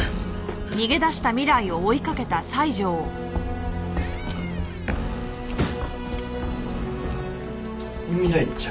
未来ちゃん？